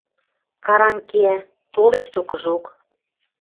Каранг кеӓ, толеш токыжок.